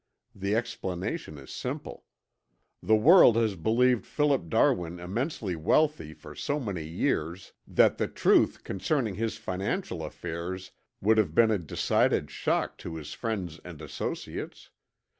The explanation is simple. The world has believed Philip Darwin immensely wealthy for so many years that the truth concerning his financial affairs would have been a decided shock to his friends and associates.